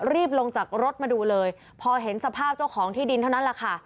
รีบลงจากรถมาดูเลยพอเห็นสภาพเจ้าของที่ดินเท่านั้นแหละค่ะ